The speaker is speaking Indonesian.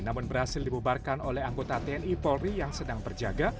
namun berhasil dibubarkan oleh anggota tni polri yang sedang berjaga